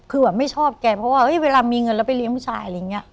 คือว่าไม่ชอบแกเพราะว่าเวลามีเงินแล้วไปเลี้ยงผู้ชาย